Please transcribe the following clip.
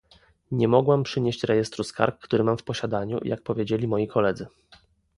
Nie mogłam przynieść rejestru skarg, który mam w posiadaniu, jak powiedzieli moi koledzy